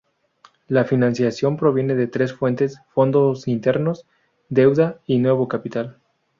La financiación proviene de tres fuentes, fondos internos, deuda y nuevo capital.